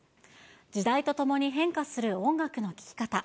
時代とともに変化する音楽の聴き方。